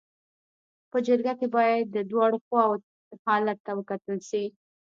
په جرګه کي باید د دواړو خواو حالت ته وکتل سي.